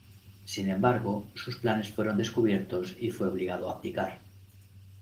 Sin embargo, sus planes fueron descubiertos y fue obligado a abdicar.